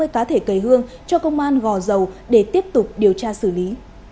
hai mươi cá thể cây hương cho công an gò dầu để tiếp tục điều tra xử lý